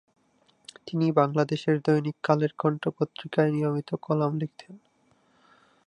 তিনি বাংলাদেশের "দৈনিক কালের কণ্ঠ" পত্রিকায় নিয়মিত কলাম লিখতেন।